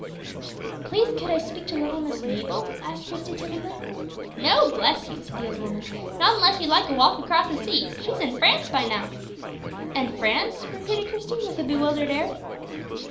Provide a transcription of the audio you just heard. "Please, could I speak to little Miss Mabel?" asked Christie, timidly. "No, bless you," said the old woman, "not unless you'd like a walk across the sea; she's in France by now." "In France!" repeated Christie, with a bewildered air.